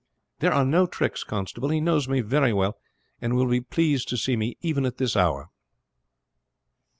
"There are no tricks, constable. He knows me very well, and will be pleased to see me even at this hour."